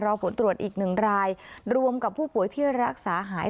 ผลตรวจอีกหนึ่งรายรวมกับผู้ป่วยที่รักษาหาย